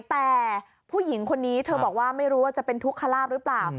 แต่ผู้หญิงคนนี้เธอบอกว่าไม่รู้ว่าจะเป็นทุกขลาบหรือเปล่า